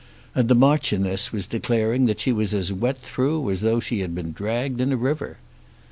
And the Marchioness was declaring she was as wet through as though she had been dragged in a river.